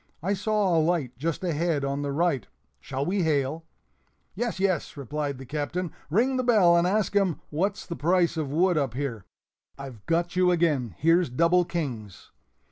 I saw a light just ahead on the right shall we hail?" "Yes, yes," replied the Captain; "ring the bell and ask 'em what's the price of wood up here. (I've got you again; here's double kings.)"